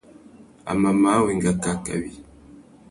A mà māh wenga kā kawi.